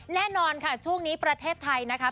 แน่นอนค่ะช่วงนี้ประเทศไทยนะคะ